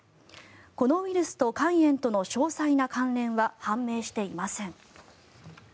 このウイルスと肝炎との詳細な関連は判明していません。